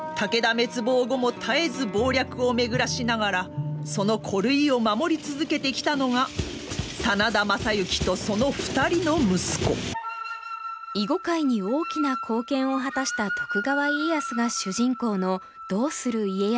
滅亡後も絶えず謀略を巡らしながらその孤塁を守り続けてきたのが真田昌幸とその２人の息子囲碁界に大きな貢献を果たした徳川家康が主人公の「どうする家康」。